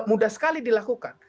maka mudah sekali dilakukan